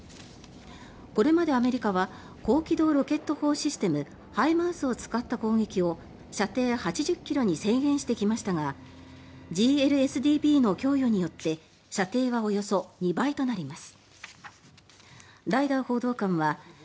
これまでアメリカは高機動ロケット砲システムＨＩＭＡＲＳを使った攻撃を射程８０ｋｍに制限してきましたがＧＬＳＤＢの供与によって射程はおよそ２倍となります。